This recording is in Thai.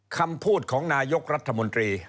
ฉะนั้นคำพูดของนายกรัฐมนตรี